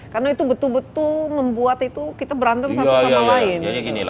karena itu betul betul membuat itu kita berantem satu sama lain